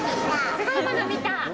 すごいもの見た？